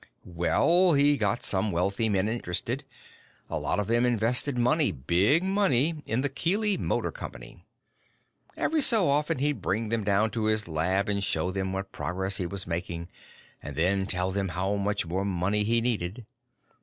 "Well, he got some wealthy men interested. A lot of them invested money big money in the Keely Motor Company. Every so often, he'd bring them down to his lab and show them what progress he was making and then tell them how much more money he needed.